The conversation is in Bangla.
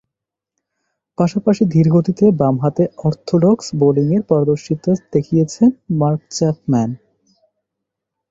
পাশাপাশি ধীরগতিতে বামহাতে অর্থোডক্স বোলিংয়ে পারদর্শীতা দেখিয়েছেন মার্ক চ্যাপম্যান।